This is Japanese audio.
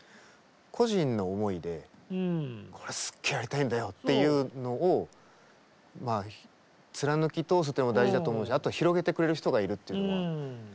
個人の思いで「これすっげぇやりたいんだよ」っていうのを貫き通すっていうのも大事だと思うしあとは広げてくれる人がいるっていうのが。